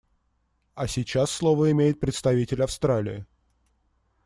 А сейчас слово имеет представитель Австралии.